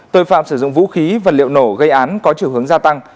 tội phạm sử dụng vũ khí vật liệu nổ gây án có chiều hướng gia tăng